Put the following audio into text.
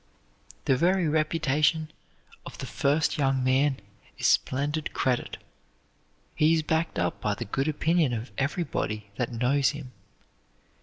The very reputation of the first young man is splendid credit. He is backed up by the good opinion of everybody that knows him.